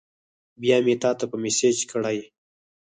بیا مې تاته په میسج کړی